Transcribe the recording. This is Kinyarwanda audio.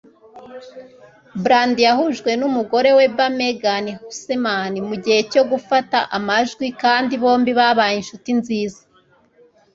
Brandi yahujwe numugome wuber Megan Hauserman mugihe cyo gufata amajwi, kandi bombi babaye inshuti nziza.